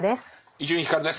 伊集院光です。